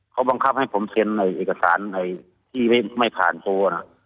เขาบังคับให้ผมเซ็นเอกสารที่ไม่ผ่านโทรนะ